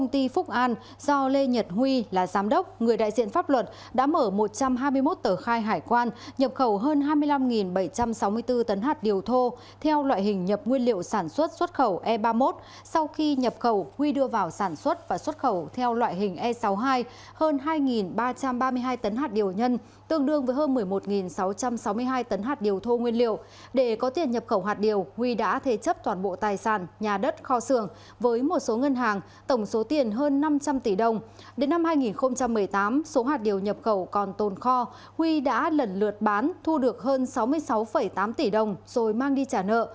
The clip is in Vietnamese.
từ năm hai nghìn một mươi tám số hạt điều nhập khẩu còn tồn kho huy đã lần lượt bán thu được hơn sáu mươi sáu tám tỷ đồng rồi mang đi trả nợ